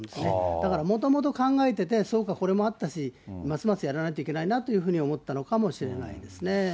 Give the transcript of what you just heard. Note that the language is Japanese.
だからもともと考えてて、そうか、これもあったし、ますますやらなきゃいけないなと思ったのかもしれないですね。